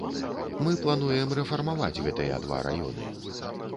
Мы плануем рэфармаваць гэтыя два раёны.